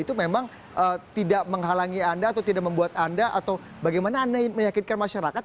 itu memang tidak menghalangi anda atau tidak membuat anda atau bagaimana anda meyakinkan masyarakat